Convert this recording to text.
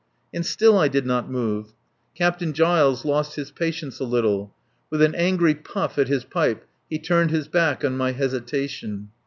And still I did not move. Captain Giles lost his patience a little. With an angry puff at his pipe he turned his back on my hesitation.